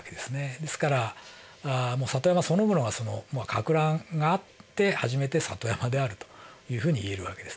ですから里山そのものはかく乱があって初めて里山であるというふうにいえる訳です。